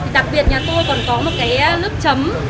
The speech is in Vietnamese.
đặc biệt nhà tôi còn có một cái lớp chấm